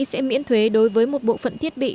sẽ miễn thuế đối với một bộ phận thiết bị